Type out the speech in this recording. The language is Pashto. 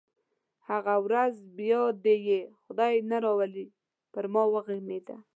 هغه ورځ بیا دې یې خدای نه راولي پر ما وغمېده.